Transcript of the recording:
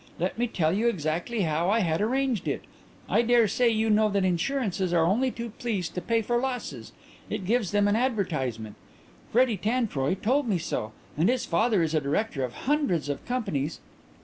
Let me tell you exactly how I had arranged it. I dare say you know that insurances are only too pleased to pay for losses: it gives them an advertisement. Freddy Tantroy told me so, and his father is a director of hundreds of companies.